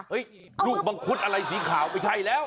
ลูกมังคุดอะไรสีขาวไม่ใช่แล้ว